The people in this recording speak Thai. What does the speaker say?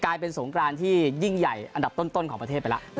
เป็นสงกรานที่ยิ่งใหญ่อันดับต้นของประเทศไปแล้ว